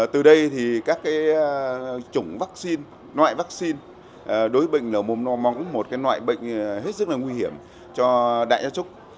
từ đây thì các cái chủng vaccine loại vaccine đối với bệnh lở mồm long móng cũng là một cái loại bệnh hết sức là nguy hiểm cho đại gia súc